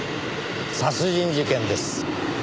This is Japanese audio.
殺人事件です。